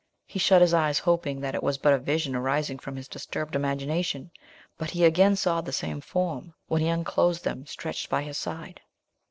He shut his eyes, hoping that it was but a vision arising from his disturbed imagination; but he again saw the same form, when he unclosed them, stretched by his side.